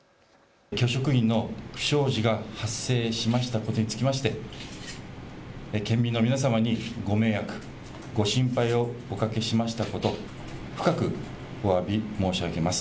教職員の不祥事が発生しましたことにつきまして県民の皆様にご迷惑、ご心配をおかけしましたこと深くおわび申し上げます。